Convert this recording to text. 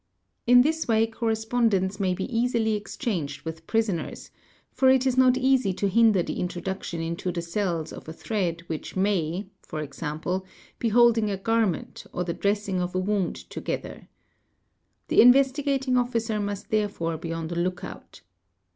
In this way correspondence may be easily exchanged with prisoners, for it is not easy to hinder the introduction into the cells of a | thread which may, e.g., be holding a garment or the dressing of a wound / together. The Investigating Officer must therefore be on the look out.